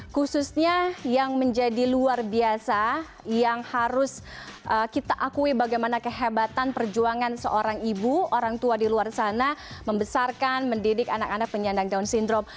khususnya yang menjadi luar biasa yang harus kita akui bagaimana kehebatan perjuangan seorang ibu orang tua di luar sana membesarkan mendidik anak anak penyandang down syndrome